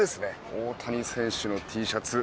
大谷選手のＴシャツ。